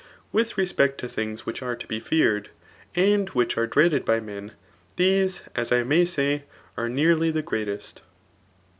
With respect to thiigii which are to be feared* and which are dreaded by mei^ these* as I may say* are nearly, the f^reatest.